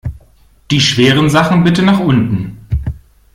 Die schweren Sachen bitte nach unten!